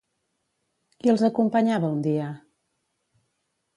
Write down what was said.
Qui els acompanyava un dia?